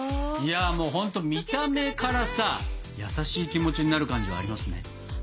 ほんと見た目からさ優しい気持ちになる感じがありますね。